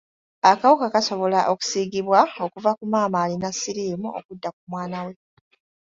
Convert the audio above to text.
Akawuka kasobola okusiigibwa okuva ku maama alina siriimu okudda ku mwana we.